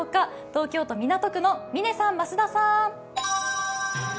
東京都港区の嶺さん、増田さん。